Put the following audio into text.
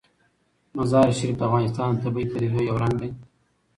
مزارشریف د افغانستان د طبیعي پدیدو یو رنګ دی.